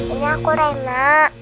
ini aku rena